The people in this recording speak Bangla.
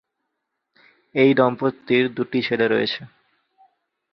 এই দম্পতির দুটি ছেলে রয়েছে।